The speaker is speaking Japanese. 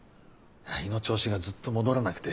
胃の調子がずっと戻らなくて。